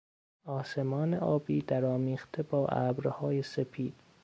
آسمان آبی درآمیخته با ابرهای سپید